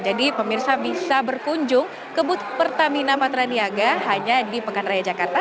jadi pemirsa bisa berkunjung ke pertamina matraniaga hanya di pekan raya jakarta